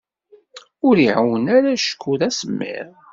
Ur ɛummen ara acku d asemmiḍ.